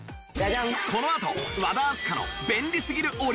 このあと和田明日香の便利すぎるお料理グッズ